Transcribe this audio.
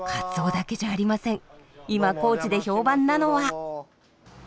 今高知で評判なのは。